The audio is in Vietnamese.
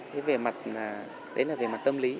thế về mặt đấy là về mặt tâm lý